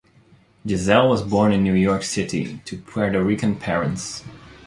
Gisselle was born in New York City to Puerto Rican parents.